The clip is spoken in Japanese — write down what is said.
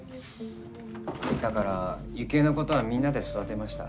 だからユキエのことはみんなで育てました。